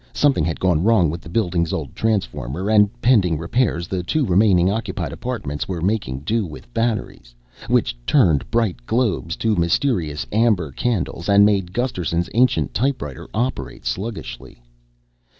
Something had gone wrong with the building's old transformer and, pending repairs, the two remaining occupied apartments were making do with batteries, which turned bright globes to mysterious amber candles and made Gusterson's ancient typewriter operate sluggishly.